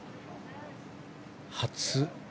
初。